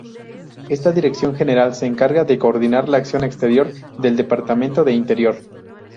Ésta dirección general se encarga de coordinar la acción exterior del Departamento de Interior.